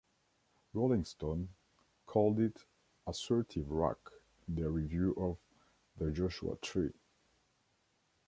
"Rolling Stone" called it "assertive rock" in their review of "The Joshua Tree".